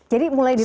jadi mulai ditulis